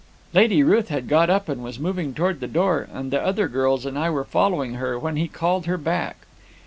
"Lady Ruth had got up, and was moving towards the door, and the other girls and I were following her, when he called her back.